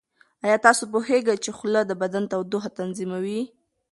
ایا تاسو پوهیږئ چې خوله د بدن تودوخه تنظیموي؟